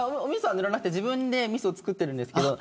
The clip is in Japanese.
塗らなくて自分でおみそ作ってるんですけど。